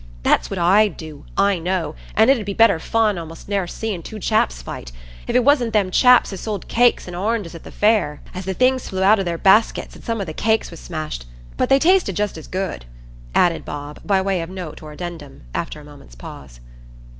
That's what I'd do, I know, an' it 'ud be better fun a'most nor seein' two chaps fight,—if it wasn't them chaps as sold cakes an' oranges at the Fair, as the things flew out o' their baskets, an' some o' the cakes was smashed—But they tasted just as good," added Bob, by way of note or addendum, after a moment's pause.